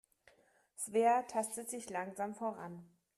Svea tastet sich langsam voran.